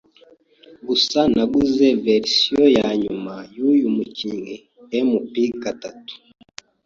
Gusa naguze verisiyo yanyuma yuyu mukinnyi MPgatatu.